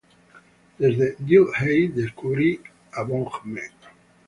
Desde Dilthey descubrí a Böhme.